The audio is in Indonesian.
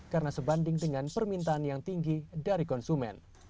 karena sebanding dengan permintaan yang tinggi dari konsumen